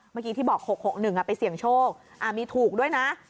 เมื่อกี้ที่บอก๖๖๑ไปเสี่ยงโชคมีถูกด้วยนะ